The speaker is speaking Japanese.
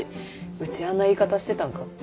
ウチあんな言い方してたんか？